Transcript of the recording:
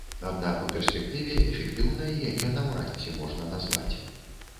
Аднак у перспектыве эфектыўнай яе наўрад ці можна назваць.